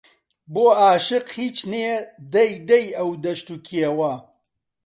بۆ ئاشق هیچ نێ دەی دەی ئەو دەشت و کێوە